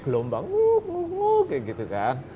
gelombang wuh wuh wuh kayak gitu kan